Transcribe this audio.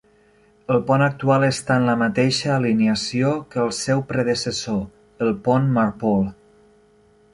El pont actual està en la mateixa alineació que el seu predecessor, el pont Marpole.